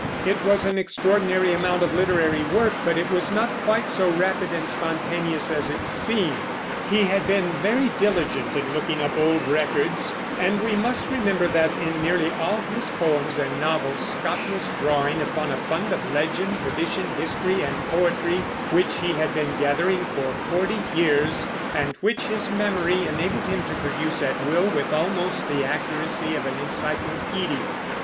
It was an extraordinary amount of literary work, but it was not quite so rapid and spontaneous as it seemed. He had been very diligent in looking up old records, and we must remember that, in nearly all his poems and novels, Scott was drawing upon a fund of legend, tradition, history, and poetry, which he had been gathering for forty years, and which his memory enabled him to produce at will with almost the accuracy of an encyclopedia.